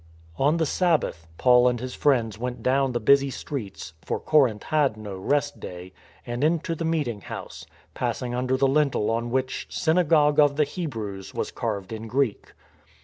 On the Sabbath, Paul and his friends went down the 228 STORM AND STRESS busy streets — for Corinth had no rest day — and into the meeting house, passing under the Hntel on which " Synagogue of the Hebrews " was carved in Greek.